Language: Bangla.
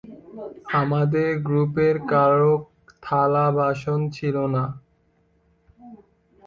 আমাদের গ্রুপের কারো থালা বাসন ছিল না।